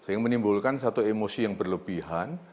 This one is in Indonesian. sehingga menimbulkan satu emosi yang berlebihan